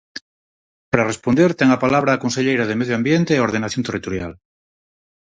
Para responder, ten a palabra a conselleira de Medio Ambiente e Ordenación Territorial.